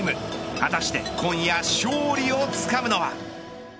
果たして今夜勝利をつかむのは。